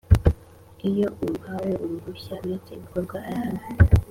Iyo uwahawe uruhushya aretse ibikorwa arahanwa